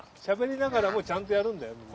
しゃべりながらもちゃんとやるんだよ。